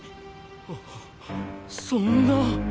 ああそんな。